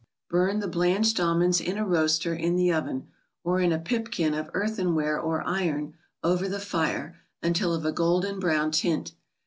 Bum " the blanched almonds in a roaster, in the oven ; or in a pipkin of earthenware or iron, over the fire, until of a golden brown tint.